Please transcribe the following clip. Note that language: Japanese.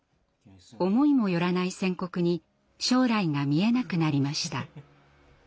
思いも寄らない宣告に将来が見えなくなりました。